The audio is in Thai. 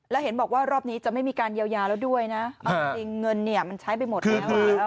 แล้วเห็นบอกว่ารอบนี้จะไม่มีการเยียวยาแล้วด้วยนะเอาจริงเงินเนี่ยมันใช้ไปหมดแล้ว